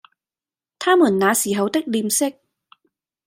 他們那時候的臉色，